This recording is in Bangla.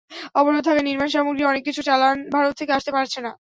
অবরোধ থাকায় নির্মাণসামগ্রীর অনেক কিছুর চালান ভারত থেকে আসতে পারছে না।